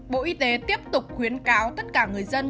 bộ y tế tiếp tục khuyến cáo tất cả người dân